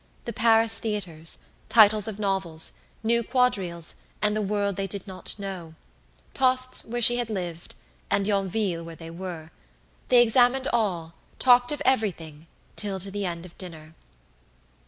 The Paris theatres, titles of novels, new quadrilles, and the world they did not know; Tostes, where she had lived, and Yonville, where they were; they examined all, talked of everything till to the end of dinner.